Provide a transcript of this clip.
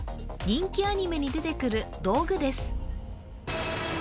３人気アニメに出てくる道具です